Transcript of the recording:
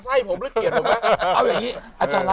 พี่เห็นหน้าผมรู้สึกไงบ้างนะ